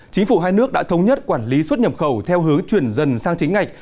chính phủ hai nước đã thống nhất quản lý xuất nhập khẩu theo hướng chuyển dần sang chính ngạch